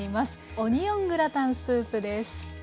オニオングラタンスープです。